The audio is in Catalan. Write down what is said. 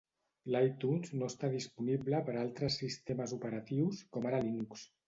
L'iTunes no està disponible per a altres sistemes operatius, com ara Linux.